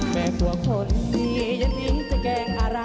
แม้พวกคนนี้ยังทิ้งจะแกล้งอะไร